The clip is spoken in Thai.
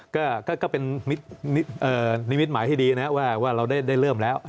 ก็เป็นนิมิตหมายที่ดีนะว่าเราได้เริ่มแล้ว